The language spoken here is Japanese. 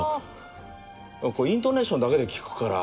イントネーションだけで聞くから。